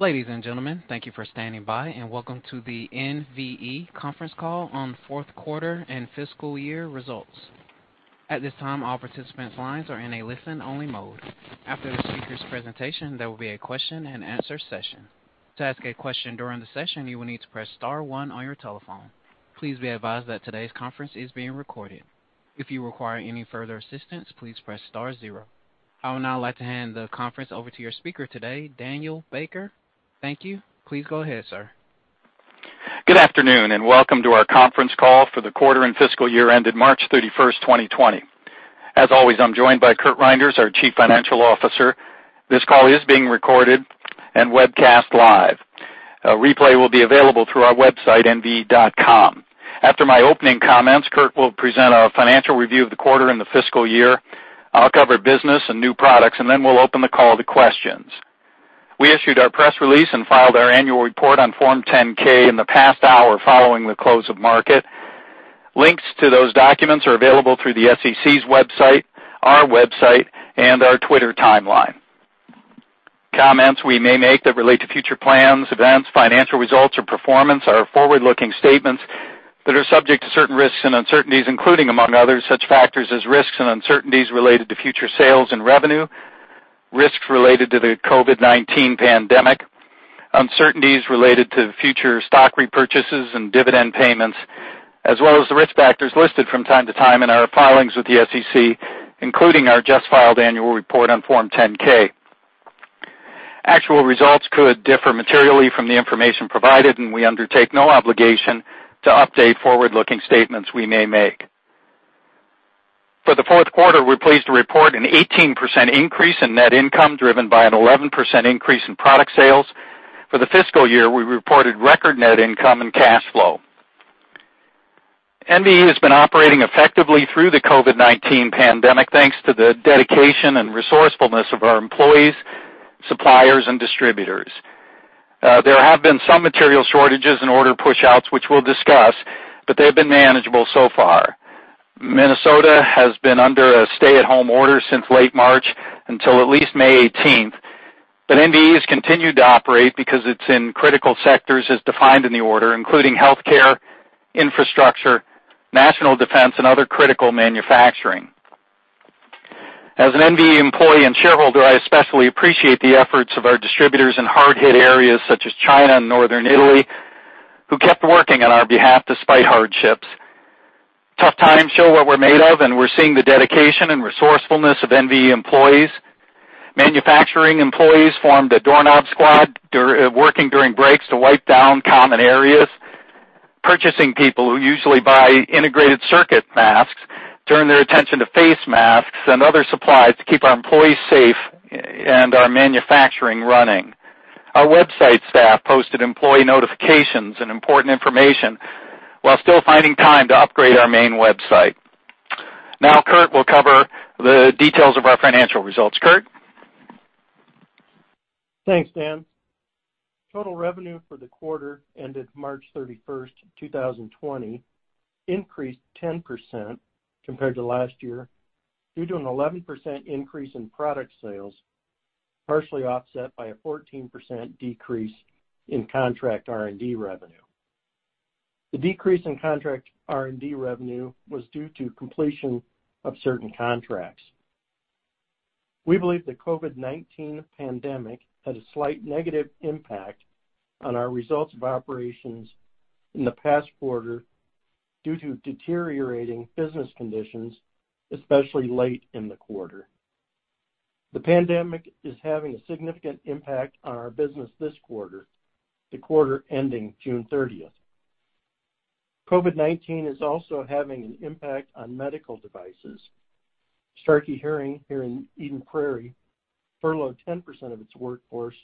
Ladies and gentlemen, thank you for standing by, and welcome to the NVE conference call on fourth quarter and fiscal year results. At this time, all participants' lines are in a listen-only mode. After the speaker's presentation, there will be a question and answer session. To ask a question during the session, you will need to press star one on your telephone. Please be advised that today's conference is being recorded. If you require any further assistance, please press star zero. I would now like to hand the conference over to your speaker today, Daniel Baker. Thank you. Please go ahead, sir. Good afternoon, and welcome to our conference call for the quarter and fiscal year ended March 31st, 2020. As always, I'm joined by Curt Reynders, our Chief Financial Officer. This call is being recorded and webcast live. A replay will be available through our website, nve.com. After my opening comments, Curt will present our financial review of the quarter and the fiscal year. I'll cover business and new products, and then we'll open the call to questions. We issued our press release and filed our annual report on Form 10-K in the past hour following the close of market. Links to those documents are available through the SEC's website, our website, and our Twitter timeline. Comments we may make that relate to future plans, events, financial results, or performance are forward-looking statements that are subject to certain risks and uncertainties, including, among others, such factors as risks and uncertainties related to future sales and revenue, risks related to the COVID-19 pandemic, uncertainties related to future stock repurchases and dividend payments, as well as the risk factors listed from time to time in our filings with the SEC, including our just-filed annual report on Form 10-K. Actual results could differ materially from the information provided, and we undertake no obligation to update forward-looking statements we may make. For the fourth quarter, we're pleased to report an 18% increase in net income driven by an 11% increase in product sales. For the fiscal year, we reported record net income and cash flow. NVE has been operating effectively through the COVID-19 pandemic, thanks to the dedication and resourcefulness of our employees, suppliers, and distributors. There have been some material shortages and order pushouts, which we'll discuss, but they've been manageable so far. Minnesota has been under a stay-at-home order since late March until at least May 18th, but NVE has continued to operate because it's in critical sectors as defined in the order, including healthcare, infrastructure, national defense, and other critical manufacturing. As an NVE employee and shareholder, I especially appreciate the efforts of our distributors in hard-hit areas such as China and Northern Italy, who kept working on our behalf despite hardships. Tough times show what we're made of, and we're seeing the dedication and resourcefulness of NVE employees. Manufacturing employees formed a doorknob squad, working during breaks to wipe down common areas. Purchasing people who usually buy integrated circuit masks turned their attention to face masks and other supplies to keep our employees safe and our manufacturing running. Our website staff posted employee notifications and important information while still finding time to upgrade our main website. Curt will cover the details of our financial results. Curt? Thanks, Dan. Total revenue for the quarter ended March 31st, 2020 increased 10% compared to last year due to an 11% increase in product sales, partially offset by a 14% decrease in contract R&D revenue. The decrease in contract R&D revenue was due to completion of certain contracts. We believe the COVID-19 pandemic had a slight negative impact on our results of operations in the past quarter due to deteriorating business conditions, especially late in the quarter. The pandemic is having a significant impact on our business this quarter, the quarter ending June 30th. COVID-19 is also having an impact on medical devices. Starkey Hearing, here in Eden Prairie, furloughed 10% of its workforce,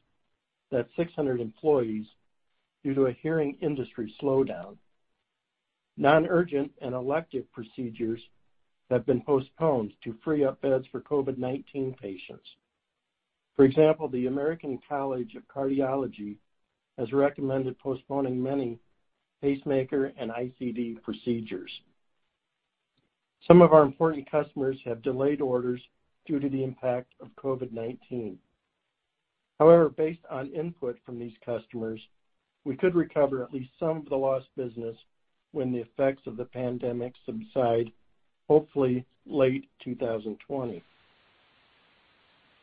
that's 600 employees, due to a hearing industry slowdown. Non-urgent and elective procedures have been postponed to free up beds for COVID-19 patients. For example, the American College of Cardiology has recommended postponing many pacemaker and ICD procedures. Some of our important customers have delayed orders due to the impact of COVID-19. However, based on input from these customers, we could recover at least some of the lost business when the effects of the pandemic subside, hopefully late 2020.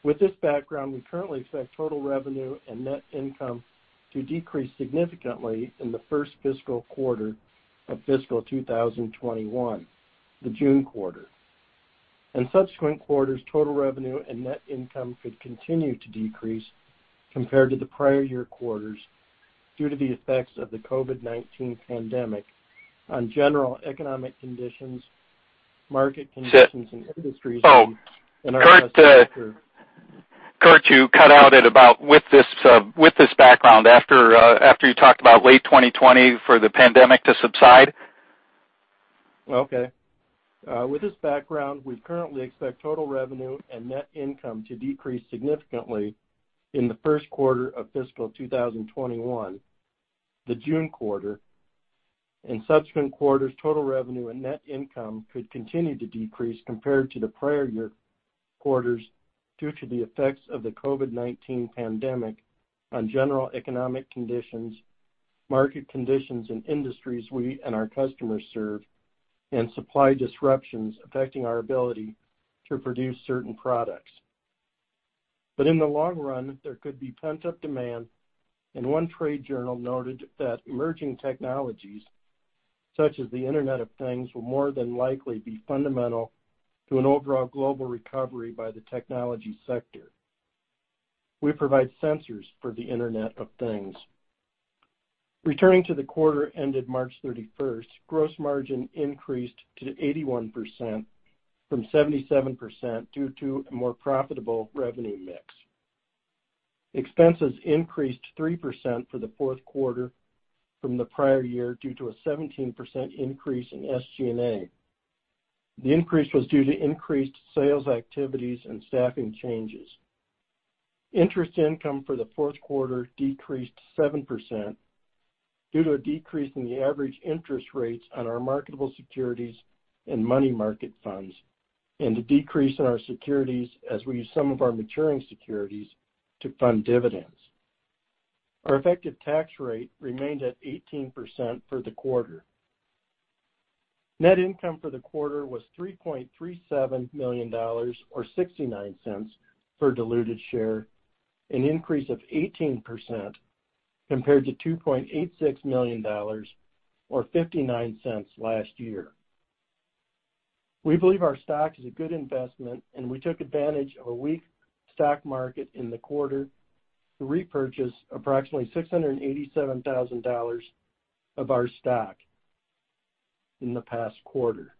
With this background, we currently expect total revenue and net income to decrease significantly in the first fiscal quarter of fiscal 2021, the June quarter. In subsequent quarters, total revenue and net income could continue to decrease compared to the prior year quarters due to the effects of the COVID-19 pandemic on general economic conditions, market conditions. Oh, Curt. Industries. Curt, you cut out at about, "With this background," after you talked about late 2020 for the pandemic to subside. Okay. With this background, we currently expect total revenue and net income to decrease significantly in the first quarter of fiscal 2021, the June quarter. In subsequent quarters, total revenue and net income could continue to decrease compared to the prior year quarters due to the effects of the COVID-19 pandemic on general economic conditions, market conditions in industries we and our customers serve, and supply disruptions affecting our ability to produce certain products. In the long run, there could be pent-up demand, and one trade journal noted that emerging technologies such as the Internet of Things will more than likely be fundamental to an overall global recovery by the technology sector. We provide sensors for the Internet of Things. Returning to the quarter ended March 31st, gross margin increased to 81% from 77% due to a more profitable revenue mix. Expenses increased 3% for the fourth quarter from the prior year due to a 17% increase in SG&A. The increase was due to increased sales activities and staffing changes. Interest income for the fourth quarter decreased 7% due to a decrease in the average interest rates on our marketable securities and money market funds, and a decrease in our securities as we used some of our maturing securities to fund dividends. Our effective tax rate remained at 18% for the quarter. Net income for the quarter was $3.37 million, or $0.69 per diluted share, an increase of 18% compared to $2.86 million or $0.59 last year. We believe our stock is a good investment, and we took advantage of a weak stock market in the quarter to repurchase approximately $687,000 of our stock in the past quarter.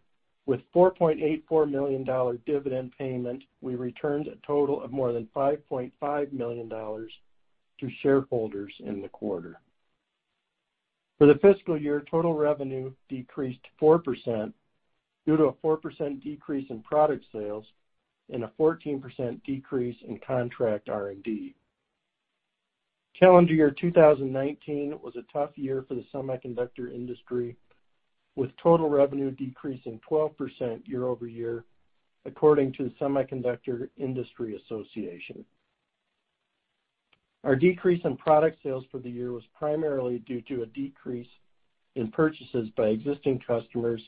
With $4.84 million dividend payment, we returned a total of more than $5.5 million to shareholders in the quarter. For the fiscal year, total revenue decreased 4% due to a 4% decrease in product sales and a 14% decrease in contract R&D. Calendar year 2019 was a tough year for the Semiconductor Industry, with total revenue decreasing 12% year-over-year, according to the Semiconductor Industry Association. Our decrease in product sales for the year was primarily due to a decrease in purchases by existing customers,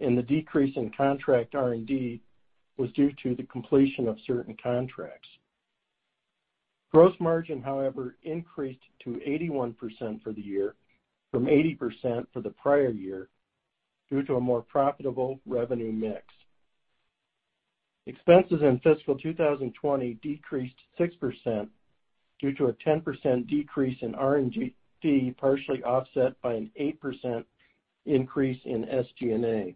and the decrease in contract R&D was due to the completion of certain contracts. Gross margin, however, increased to 81% for the year from 80% for the prior year due to a more profitable revenue mix. Expenses in fiscal 2020 decreased 6% due to a 10% decrease in R&D, partially offset by an 8% increase in SG&A.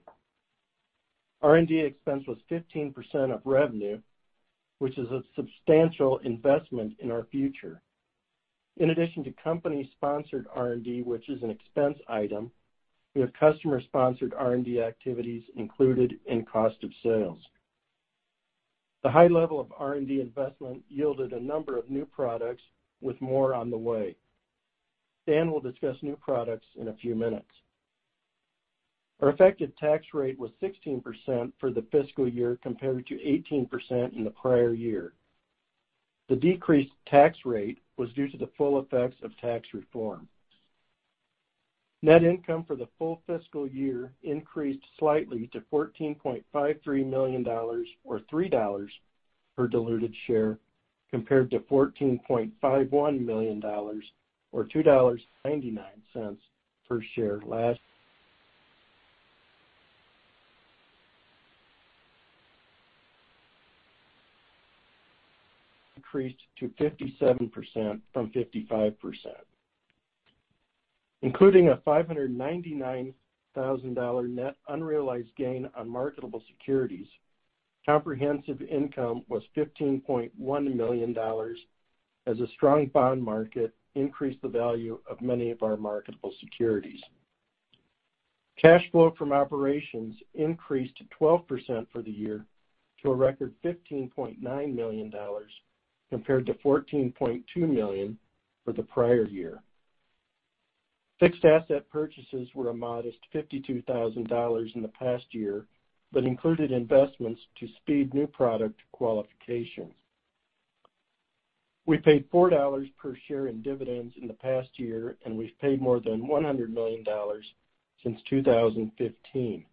R&D expense was 15% of revenue, which is a substantial investment in our future. In addition to company-sponsored R&D, which is an expense item, we have customer-sponsored R&D activities included in cost of sales. The high level of R&D investment yielded a number of new products with more on the way. Dan will discuss new products in a few minutes. Our effective tax rate was 16% for the fiscal year compared to 18% in the prior year. The decreased tax rate was due to the full effects of tax reform. Net income for the full fiscal year increased slightly to $14.53 million, or $3 per diluted share, compared to $14.51 million or $2.99 per share last. Increased to 57% from 55%. Including a $599,000 net unrealized gain on marketable securities, comprehensive income was $15.1 million as a strong bond market increased the value of many of our marketable securities. Cash flow from operations increased 12% for the year to a record $15.9 million compared to $14.2 million for the prior year. Fixed asset purchases were a modest $52,000 in the past year but included investments to speed new product qualification. We paid $4 per share in dividends in the past year, and we've paid more than $100 million since 2015.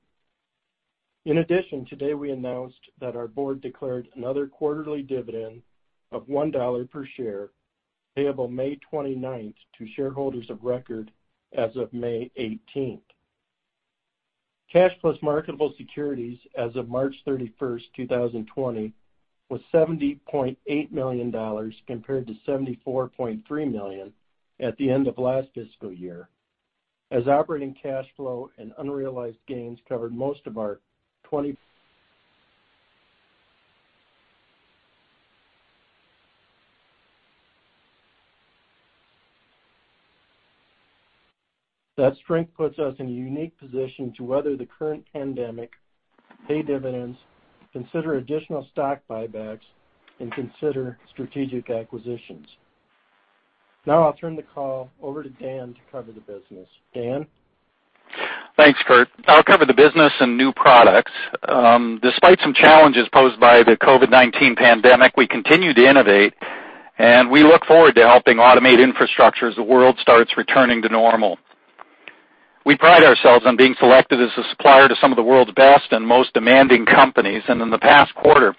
In addition, today we announced that our board declared another quarterly dividend of $1 per share payable May 29th to shareholders of record as of May 18th. Cash plus marketable securities as of March 31st, 2020, was $70.8 million compared to $74.3 million at the end of last fiscal year as operating cash flow and unrealized gains covered most of our 20. That strength puts us in a unique position to weather the current pandemic, pay dividends, consider additional stock buybacks, and consider strategic acquisitions. I'll turn the call over to Dan to cover the business. Dan? Thanks, Curt. I'll cover the business and new products. Despite some challenges posed by the COVID-19 pandemic, we continue to innovate, and we look forward to helping automate infrastructure as the world starts returning to normal. We pride ourselves on being selected as a supplier to some of the world's best and most demanding companies. In the past quarter,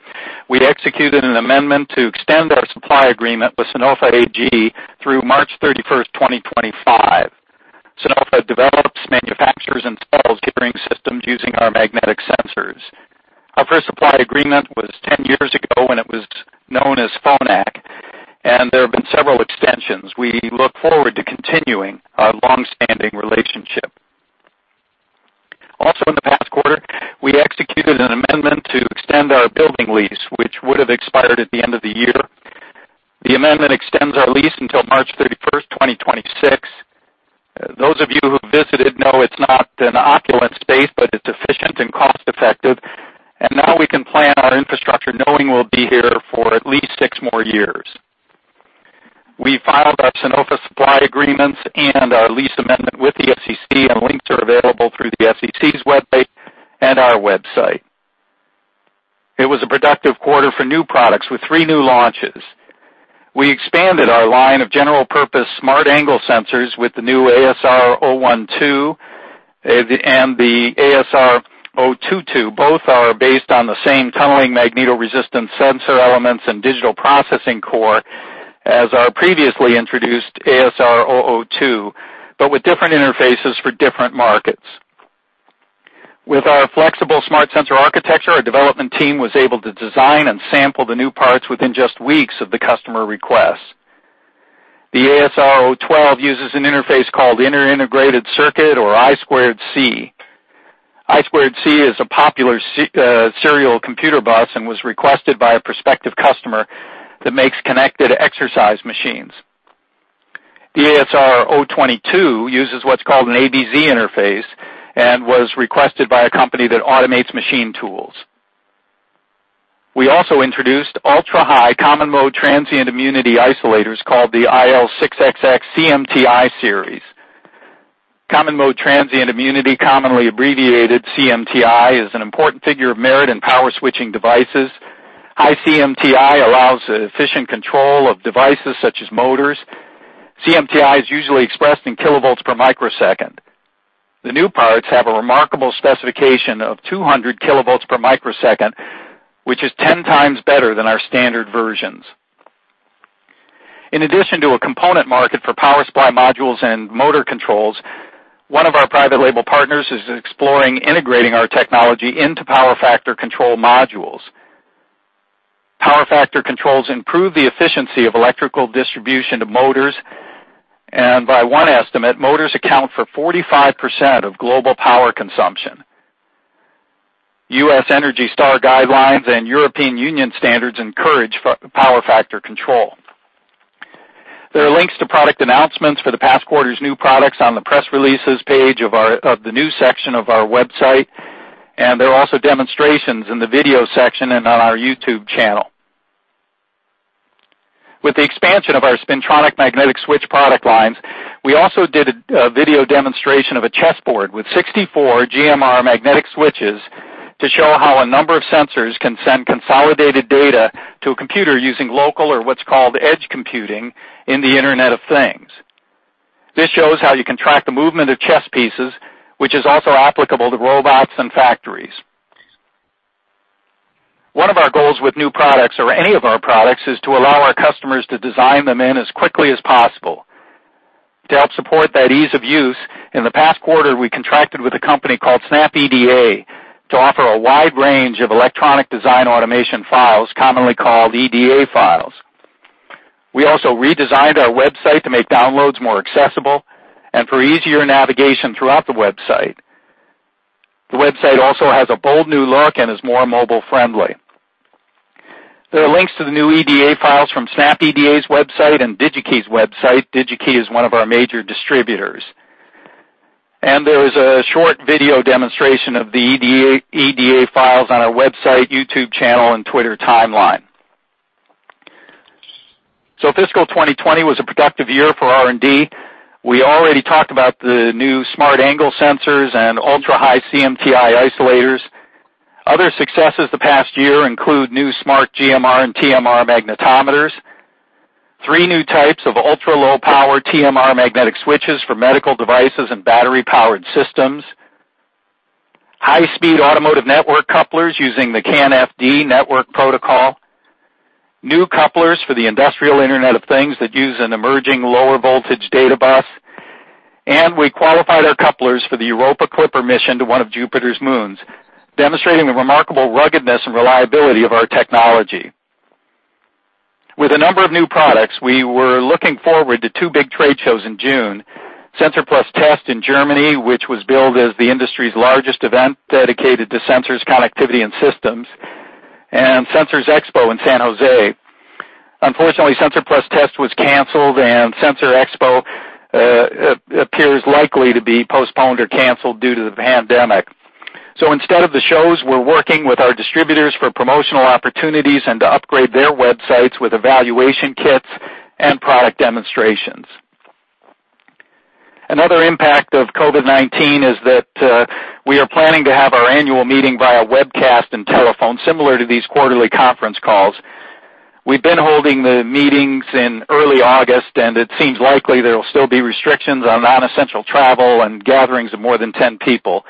we'd executed an amendment to extend our supply agreement with Sonova AG through March 31st, 2025. Sonova develops, manufactures, and sells hearing systems using our magnetic sensors. Our first supply agreement was 10 years ago when it was known as Phonak, and there have been several extensions. We look forward to continuing our long-standing relationship. In the past quarter, we executed an amendment to extend our building lease, which would have expired at the end of the year. The amendment extends our lease until March 31st, 2026. Those of you who've visited know it's not an opulent space, but it's efficient and cost-effective, and now we can plan our infrastructure knowing we'll be here for at least six more years. Links are available through the SEC's website and our website. We filed our Sonova supply agreements and our lease amendment with the SEC. It was a productive quarter for new products, with three new launches. We expanded our line of general-purpose smart angle sensors with the new ASR012 and the ASR022. Both are based on the same tunneling magnetoresistance sensor elements and digital processing core as our previously introduced ASR002. With different interfaces for different markets, with our flexible smart sensor architecture, our development team was able to design and sample the new parts within just weeks of the customer request. The ASR012 uses an interface called Inter-Integrated Circuit, or I2C. I2C is a popular serial computer bus and was requested by a prospective customer that makes connected exercise machines. The ASR022 uses what's called an ABZ interface and was requested by a company that automates machine tools. We also introduced ultra-high common mode transient immunity isolators called the IL6xxCMTI Series. Common mode transient immunity, commonly abbreviated CMTI, is an important figure of merit in power switching devices. High CMTI allows efficient control of devices such as motors. CMTI is usually expressed in kilovolts per microsecond. The new parts have a remarkable specification of 200 kilovolts per microsecond, which is 10x better than our standard versions. In addition to a component market for power supply modules and motor controls, one of our private label partners is exploring integrating our technology into power factor control modules. Power factor controls improve the efficiency of electrical distribution to motors. By one estimate, motors account for 45% of global power consumption. U.S. ENERGY STAR guidelines and European Union standards encourage power factor control. There are links to product announcements for the past quarter's new products on the press releases page of the new section of our website. There are also demonstrations in the video section and on our YouTube channel. With the expansion of our spintronic magnetic switch product lines, we also did a video demonstration of a chessboard with 64 GMR magnetic switches to show how a number of sensors can send consolidated data to a computer using local or what's called edge computing in the Internet of Things. This shows how you can track the movement of chess pieces, which is also applicable to robots and factories. One of our goals with new products or any of our products is to allow our customers to design them in as quickly as possible. To help support that ease of use, in the past quarter, we contracted with a company called Snap EDA to offer a wide range of electronic design automation files, commonly called EDA files. We also redesigned our website to make downloads more accessible and for easier navigation throughout the website. The website also has a bold new look and is more mobile-friendly. There are links to the new EDA files from SnapEDA's website and DigiKey's website. DigiKey is one of our major distributors. There is a short video demonstration of the EDA files on our website, YouTube channel, and Twitter timeline. Fiscal 2020 was a productive year for R&D. We already talked about the new smart angle sensors and ultra-high CMTI isolators. Other successes this past year include new smart GMR and TMR magnetometers, three new types of ultra-low power TMR magnetic switches for medical devices and battery-powered systems, high-speed automotive network couplers using the CAN FD network protocol, new couplers for the industrial Internet of Things that use an emerging lower voltage data bus, and we qualified our couplers for the Europa Clipper mission to one of Jupiter's moons, demonstrating the remarkable ruggedness and reliability of our technology. With a number of new products, we were looking forward to two big trade shows in June, Sensor+Test in Germany, which was billed as the industry's largest event dedicated to sensors, connectivity, and systems, and Sensors Expo in San Jose. Unfortunately, Sensor+Test was canceled, and Sensors Expo appears likely to be postponed or canceled due to the pandemic. Instead of the shows, we're working with our distributors for promotional opportunities and to upgrade their websites with evaluation kits and product demonstrations. Another impact of COVID-19 is that we are planning to have our annual meeting via webcast and telephone, similar to these quarterly conference calls. We've been holding the meetings in early August, and it seems likely there will still be restrictions on non-essential travel and gatherings of more than 10 people.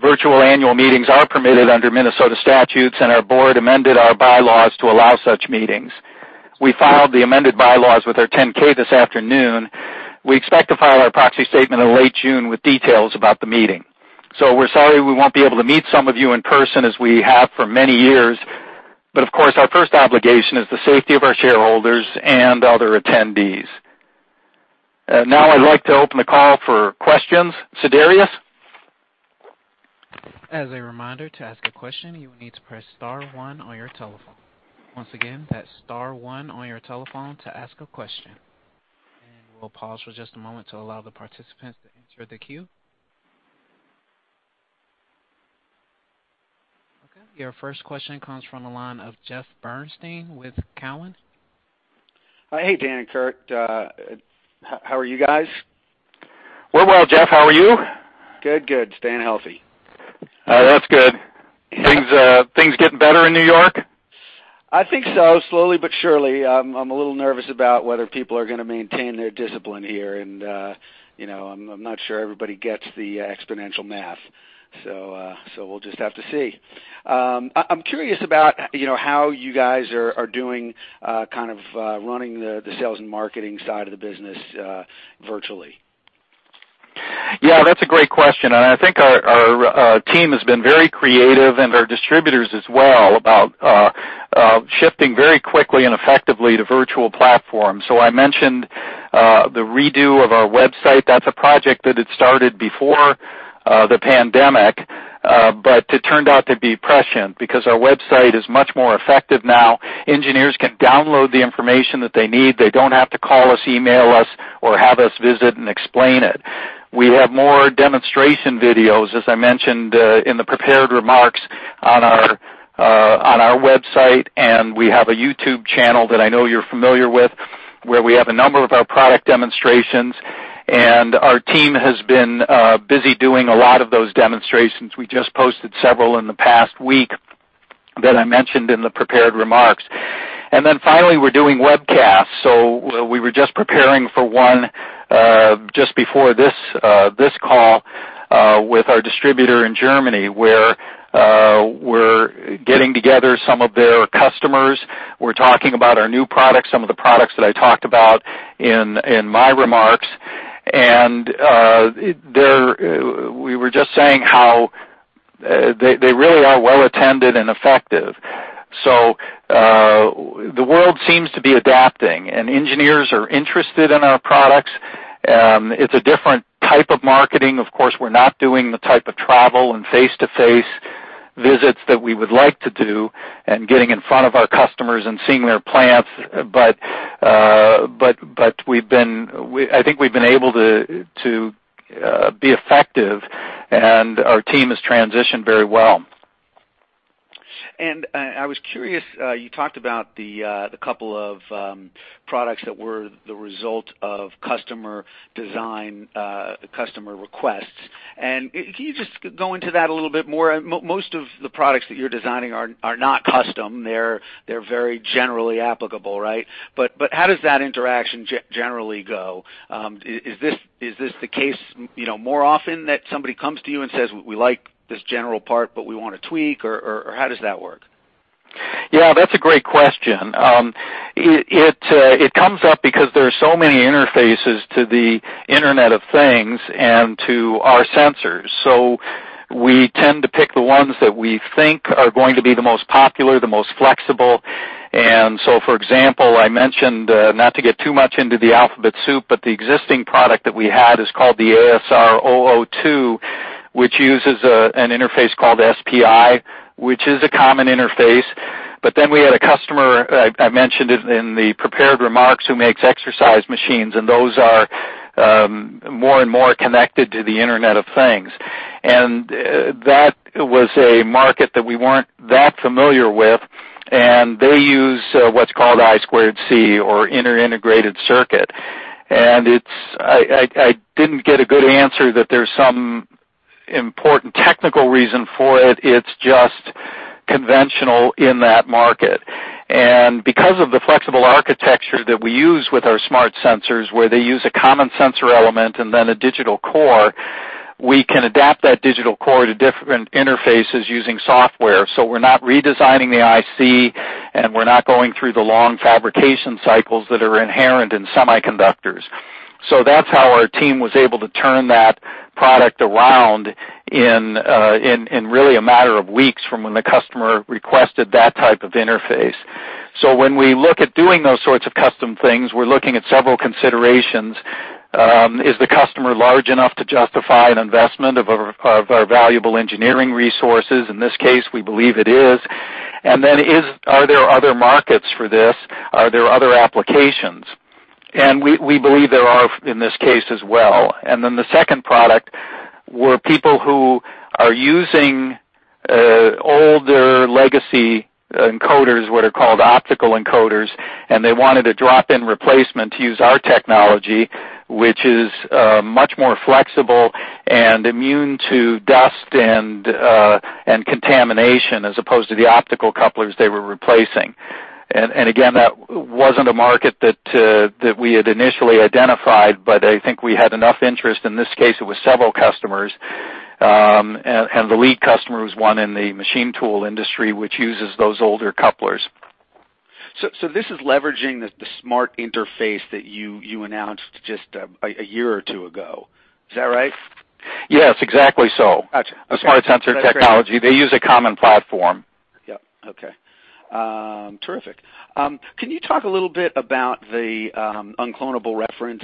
Virtual annual meetings are permitted under Minnesota Statutes, and our board amended our bylaws to allow such meetings. We filed the amended bylaws with our 10-K this afternoon. We expect to file our proxy statement in late June with details about the meeting. We're sorry we won't be able to meet some of you in person as we have for many years. Of course, our first obligation is the safety of our shareholders and other attendees. Now I'd like to open the call for questions. Sadarius? As a reminder, to ask a question, you will need to press star one on your telephone. Once again, that's star one on your telephone to ask a question. We'll pause for just a moment to allow the participants to enter the queue. Okay. Your first question comes from the line of Jeff Bernstein with Cowen. Hey, Dan and Curt. How are you guys? We're well, Jeff. How are you? Good. Staying healthy. Oh, that's good. Things getting better in New York? I think so. Slowly but surely. I'm a little nervous about whether people are going to maintain their discipline here, and I'm not sure everybody gets the exponential math. We'll just have to see. I'm curious about how you guys are doing, kind of running the sales and marketing side of the business virtually. Yeah, that's a great question. I think our team has been very creative, and our distributors as well, about shifting very quickly and effectively to virtual platforms. I mentioned the redo of our website. That's a project that had started before the pandemic, but it turned out to be prescient because our website is much more effective now. Engineers can download the information that they need. They don't have to call us, email us, or have us visit and explain it. We have more demonstration videos, as I mentioned in the prepared remarks on our website, and we have a YouTube channel that I know you're familiar with, where we have a number of our product demonstrations. Our team has been busy doing a lot of those demonstrations. We just posted several in the past week that I mentioned in the prepared remarks. Finally, we're doing webcasts. We were just preparing for one just before this call with our distributor in Germany, where we're getting together some of their customers. We're talking about our new products, some of the products that I talked about in my remarks. We were just saying how they really are well attended and effective. The world seems to be adapting, and engineers are interested in our products. It's a different type of marketing. Of course, we're not doing the type of travel and face-to-face visits that we would like to do and getting in front of our customers and seeing their plants. I think we've been able to be effective, and our team has transitioned very well. I was curious, you talked about the couple of products that were the result of customer requests. Can you just go into that a little bit more? Most of the products that you're designing are not custom. They're very generally applicable, right? How does that interaction generally go? Is this the case more often that somebody comes to you and says, "We like this general part, but we want to tweak," or how does that work? That's a great question. It comes up because there are so many interfaces to the Internet of Things and to our sensors. We tend to pick the ones that we think are going to be the most popular, the most flexible. For example, I mentioned, not to get too much into the alphabet soup, but the existing product that we had is called the ASR002, which uses an interface called SPI, which is a common interface. We had a customer, I mentioned it in the prepared remarks, who makes exercise machines, and those are more and more connected to the Internet of Things. That was a market that we weren't that familiar with, and they use what's called I²C, or Inter-Integrated Circuit. I didn't get a good answer that there's some important technical reason for it. Because of the flexible architecture that we use with our smart sensors, where they use a common sensor element and then a digital core, we can adapt that digital core to different interfaces using software. We're not redesigning the IC, and we're not going through the long fabrication cycles that are inherent in semiconductors. That's how our team was able to turn that product around in really a matter of weeks from when the customer requested that type of interface. When we look at doing those sorts of custom things, we're looking at several considerations. Is the customer large enough to justify an investment of our valuable engineering resources? In this case, we believe it is. Then are there other markets for this? Are there other applications? We believe there are in this case as well. The second product were people who are using older legacy encoders, what are called optical encoders, and they wanted a drop-in replacement to use our technology, which is much more flexible and immune to dust and contamination as opposed to the optical couplers they were replacing. That wasn't a market that we had initially identified, but I think we had enough interest. In this case, it was several customers, and the lead customer was one in the machine tool industry, which uses those older couplers. This is leveraging the smart interface that you announced just a year or two ago. Is that right? Yes, exactly so. Got you. A smart sensor technology. They use a common platform. Yep. Okay. Terrific. Can you talk a little bit about the uncloneable reference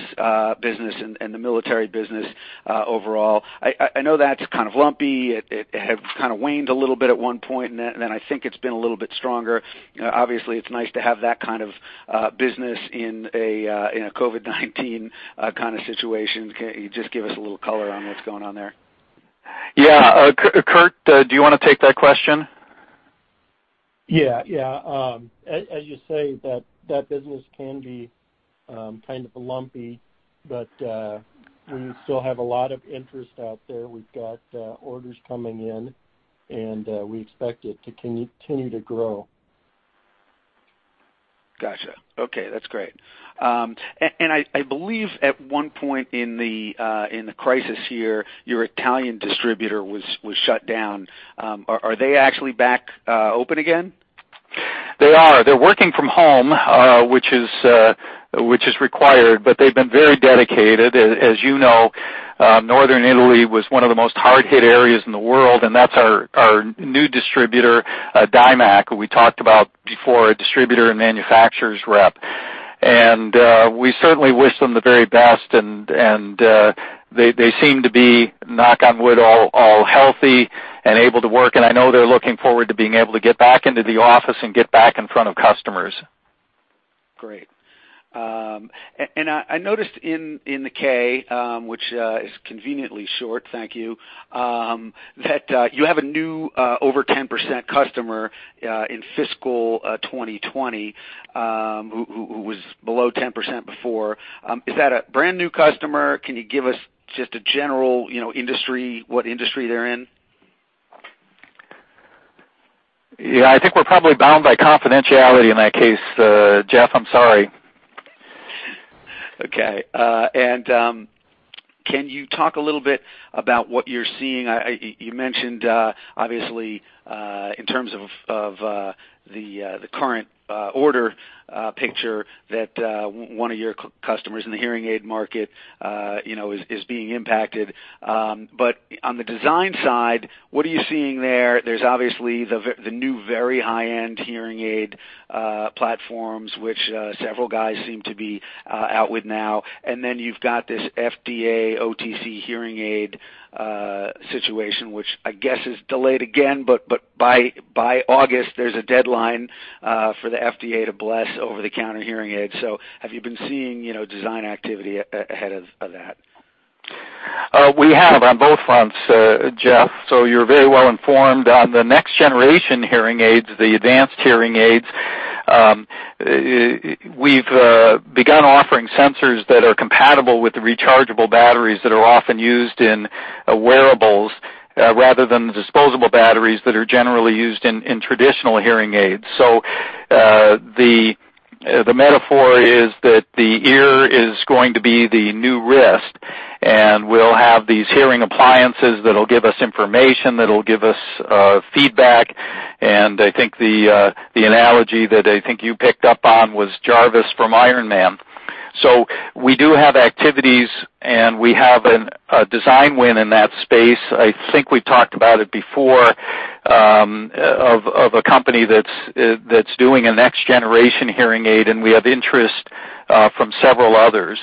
business and the military business overall? I know that's kind of lumpy. It had kind of waned a little bit at one point, and then I think it's been a little bit stronger. Obviously, it's nice to have that kind of business in a COVID-19 kind of situation. Can you just give us a little color on what's going on there? Yeah. Curt, do you want to take that question? Yeah. As you say, that business can be kind of lumpy, but we still have a lot of interest out there. We've got orders coming in, and we expect it to continue to grow. Got you. Okay, that's great. I believe at one point in the crisis here, your Italian distributor was shut down. Are they actually back open again? They are. They're working from home, which is required, but they've been very dedicated. As you know, northern Italy was one of the most hard-hit areas in the world, that's our new distributor, Dimac, who we talked about before, a distributor and manufacturer's rep. We certainly wish them the very best, and they seem to be, knock on wood, all healthy and able to work. I know they're looking forward to being able to get back into the office and get back in front of customers. Great. I noticed in the 10-K, which is conveniently short, thank you, that you have a new over 10% customer in fiscal 2020, who was below 10% before. Is that a brand-new customer? Can you give us just a general industry, what industry they're in? Yeah, I think we're probably bound by confidentiality in that case. Jeff, I'm sorry. Okay. Can you talk a little bit about what you're seeing? You mentioned, obviously, in terms of the current order picture that one of your customers in the hearing aid market is being impacted. On the design side, what are you seeing there? There's obviously the new very high-end hearing aid platforms, which several guys seem to be out with now. You've got this FDA OTC hearing aid situation, which I guess is delayed again, but by August, there's a deadline for the FDA to bless over-the-counter hearing aids. Have you been seeing design activity ahead of that? We have on both fronts, Jeff. You're very well-informed. On the next generation hearing aids, the advanced hearing aids, we've begun offering sensors that are compatible with the rechargeable batteries that are often used in wearables rather than the disposable batteries that are generally used in traditional hearing aids. The metaphor is that the ear is going to be the new wrist, and we'll have these hearing appliances that'll give us information, that'll give us feedback. I think the analogy that I think you picked up on was Jarvis from "Iron Man." We do have activities, and we have a design win in that space, I think we talked about it before, of a company that's doing a next generation hearing aid, and we have interest from several others.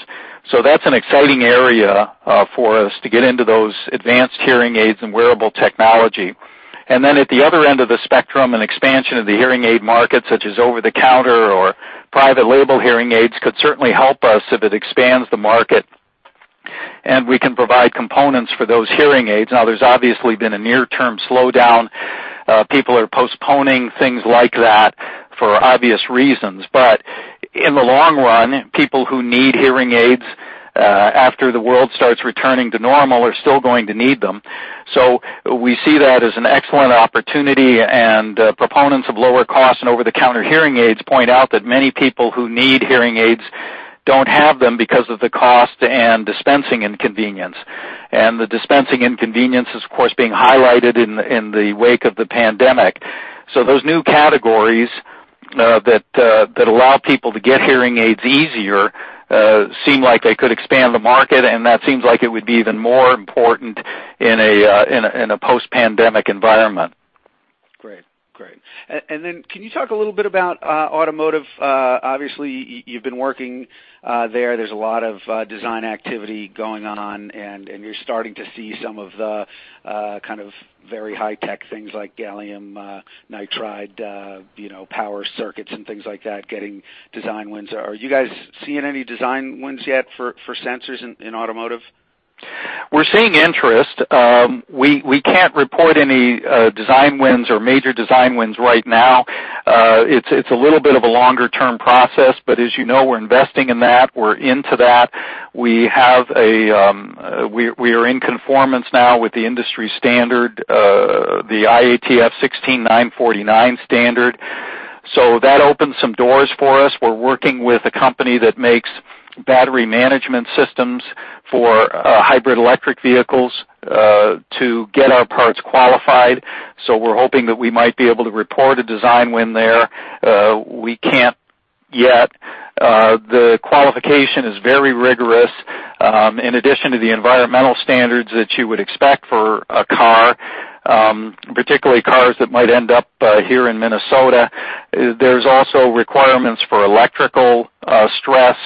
That's an exciting area for us to get into those advanced hearing aids and wearable technology. At the other end of the spectrum, an expansion of the hearing aid market, such as over-the-counter or private label hearing aids, could certainly help us if it expands the market, and we can provide components for those hearing aids. There's obviously been a near-term slowdown. People are postponing things like that for obvious reasons. In the long run, people who need hearing aids after the world starts returning to normal are still going to need them. We see that as an excellent opportunity, and proponents of lower cost and over-the-counter hearing aids point out that many people who need hearing aids don't have them because of the cost and dispensing inconvenience. The dispensing inconvenience is, of course, being highlighted in the wake of the pandemic. Those new categories that allow people to get hearing aids easier seem like they could expand the market, and that seems like it would be even more important in a post-pandemic environment. Great. Then can you talk a little bit about automotive? Obviously, you've been working there. There's a lot of design activity going on, and you're starting to see some of the very high-tech things like gallium nitride power circuits and things like that getting design wins. Are you guys seeing any design wins yet for sensors in automotive? We're seeing interest. We can't report any design wins or major design wins right now. It's a little bit of a longer-term process. As you know, we're investing in that. We're into that. We are in conformance now with the industry standard, the IATF 16949 standard. That opens some doors for us. We're working with a company that makes battery management systems for hybrid electric vehicles to get our parts qualified. We're hoping that we might be able to report a design win there. We can't yet. The qualification is very rigorous. In addition to the environmental standards that you would expect for a car, particularly cars that might end up here in Minnesota, there's also requirements for electrical stress.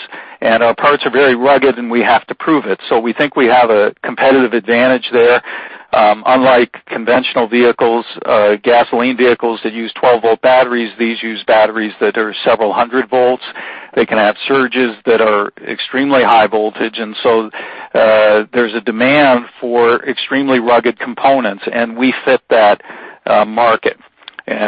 Our parts are very rugged, and we have to prove it. We think we have a competitive advantage there. Unlike conventional vehicles, gasoline vehicles that use 12-volt batteries, these use batteries that are several hundred volts. They can have surges that are extremely high voltage. There's a demand for extremely rugged components, and we fit that market.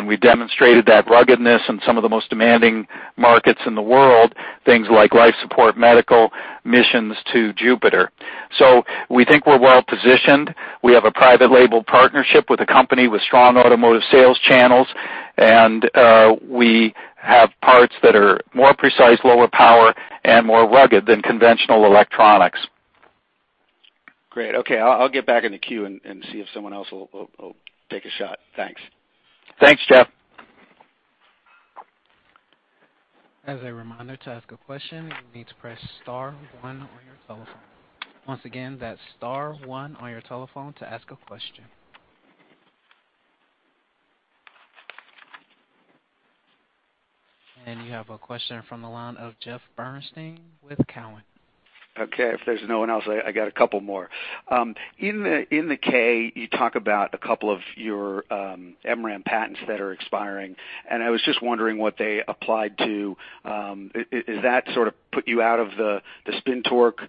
We demonstrated that ruggedness in some of the most demanding markets in the world, things like life support medical missions to Jupiter. We think we're well-positioned. We have a private label partnership with a company with strong automotive sales channels, and we have parts that are more precise, lower power, and more rugged than conventional electronics. Great. Okay. I'll get back in the queue and see if someone else will take a shot. Thanks. Thanks, Jeff. As a reminder, to ask a question, you need to press star one on your telephone. Once again, that's star one on your telephone to ask a question. You have a question from the line of Jeff Bernstein with Cowen. Okay. If there's no one else, I got a couple more. In the K, you talk about a couple of your MRAM patents that are expiring, and I was just wondering what they applied to. Is that sort of put you out of the spin-torque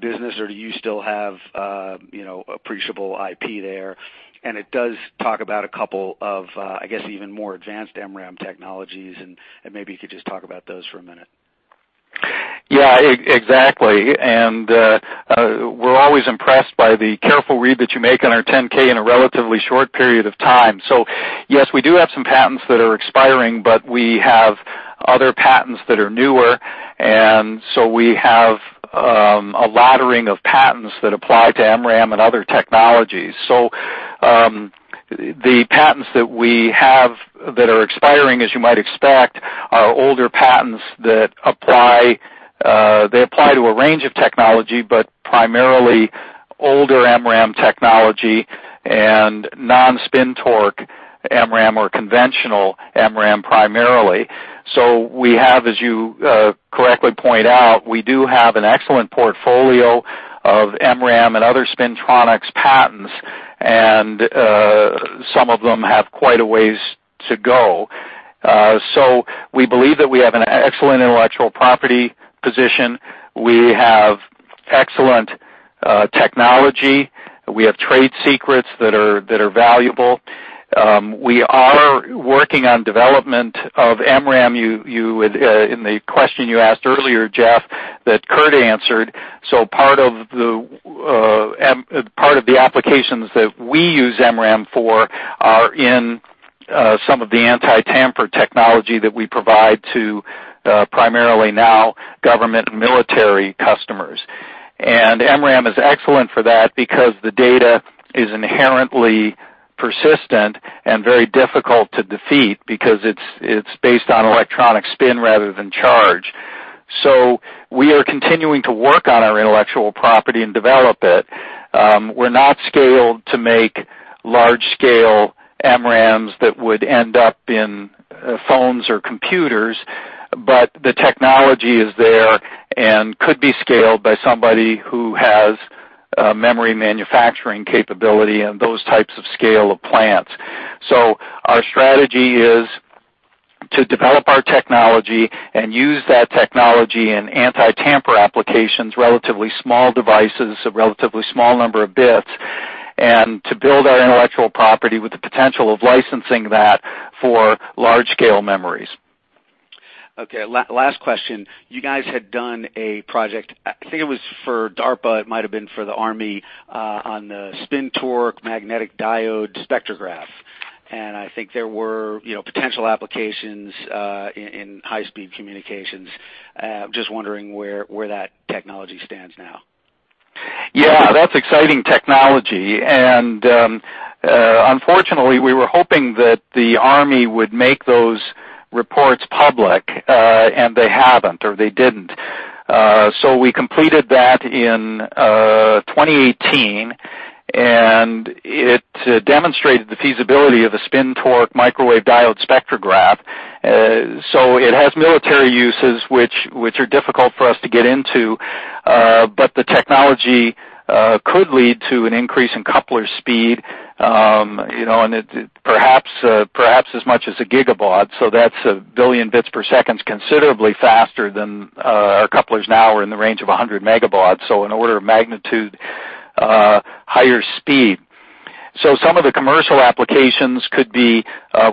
business, or do you still have appreciable IP there? It does talk about a couple of, I guess, even more advanced MRAM technologies, and maybe you could just talk about those for a minute. Yeah, exactly. We're always impressed by the careful read that you make on our 10-K in a relatively short period of time. Yes, we do have some patents that are expiring, but we have other patents that are newer, and so we have a laddering of patents that apply to MRAM and other technologies. The patents that we have that are expiring, as you might expect, are older patents that apply to a range of technology, but primarily older MRAM technology and non-spin-torque MRAM or conventional MRAM primarily. We have, as you correctly point out, we do have an excellent portfolio of MRAM and other spintronics patents, and some of them have quite a ways to go. We believe that we have an excellent intellectual property position. We have excellent technology. We have trade secrets that are valuable. We are working on development of MRAM, in the question you asked earlier, Jeff, that Curt answered. Part of the applications that we use MRAM for are in some of the anti-tamper technology that we provide to primarily now government military customers. MRAM is excellent for that because the data is inherently persistent and very difficult to defeat because it's based on electronic spin rather than charge. We are continuing to work on our intellectual property and develop it. We're not scaled to make large-scale MRAMs that would end up in phones or computers, but the technology is there and could be scaled by somebody who has memory manufacturing capability and those types of scale of plants. Our strategy is to develop our technology and use that technology in anti-tamper applications, relatively small devices, a relatively small number of bits, and to build our intellectual property with the potential of licensing that for large-scale memories. Okay. Last question. You guys had done a project, I think it was for DARPA, it might've been for the Army, on the spin-torque microwave diode spectrometer. I think there were potential applications in high-speed communications. Just wondering where that technology stands now. Yeah, that's exciting technology, and unfortunately, we were hoping that the Army would make the reports public, and they haven't, or they didn't. We completed that in 2018, and it demonstrated the feasibility of the spin-torque microwave diode spectrometer. It has military uses, which are difficult for us to get into, but the technology could lead to an increase in coupler speed, and perhaps as much as a gigabaud. That's 1 billion bits per second. It's considerably faster than our couplers now are in the range of 100 megabaud. An order of magnitude higher speed. Some of the commercial applications could be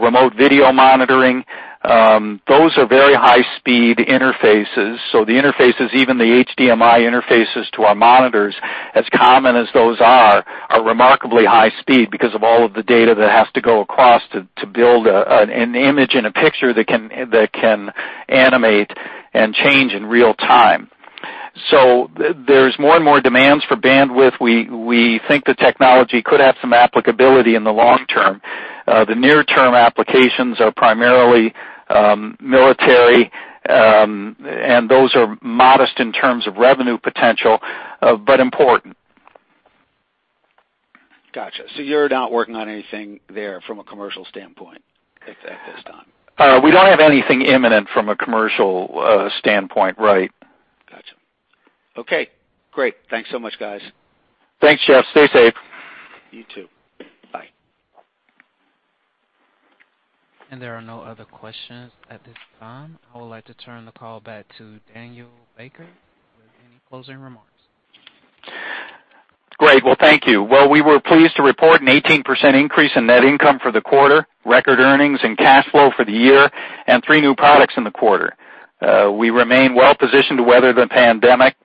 remote video monitoring. Those are very high-speed interfaces. The interfaces, even the HDMI interfaces to our monitors, as common as those are remarkably high speed because of all of the data that has to go across to build an image and a picture that can animate and change in real time. There's more and more demands for bandwidth. We think the technology could have some applicability in the long term. The near-term applications are primarily military, and those are modest in terms of revenue potential, but important. Got you. You're not working on anything there from a commercial standpoint at this time? We don't have anything imminent from a commercial standpoint, right. Got you. Okay, great. Thanks so much, guys. Thanks, Jeff. Stay safe. You too. Bye. There are no other questions at this time. I would like to turn the call back to Daniel Baker for any closing remarks. Great. Well, thank you. Well, we were pleased to report an 18% increase in net income for the quarter, record earnings and cash flow for the year, and three new products in the quarter. We remain well-positioned to weather the pandemic,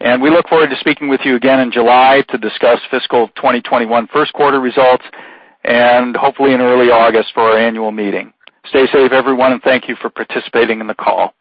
and we look forward to speaking with you again in July to discuss fiscal 2021 first quarter results, and hopefully in early August for our annual meeting. Stay safe, everyone, and thank you for participating in the call.